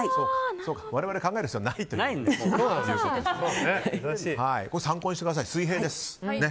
我々、考える必要はないということですね。